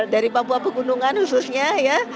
dari papua pegunungan khususnya ya